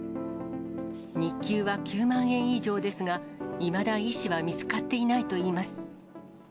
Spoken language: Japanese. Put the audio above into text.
日給は９万円以上ですが、いまだ医師は見つかっていないといいます。